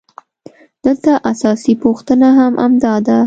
دلته اساسي پوښتنه هم همدا ده